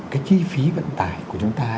cái chi phí vận tải của chúng ta